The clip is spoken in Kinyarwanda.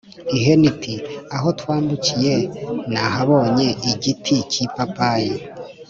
ihene iti: “aho twambukiye, nahabonye igiti k’ipapayi